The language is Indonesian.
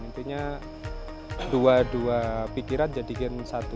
intinya dua dua pikiran jadikan satu